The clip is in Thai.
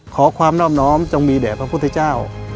ขอความนอบน้อมจงมีแด่พระพุทธเจ้า